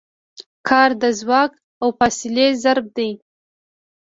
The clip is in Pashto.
کار د ځواک او فاصلې ضرب دی.